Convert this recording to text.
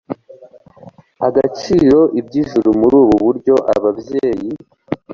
agaciro ibyijuru Muri ubu buryo ababyeyi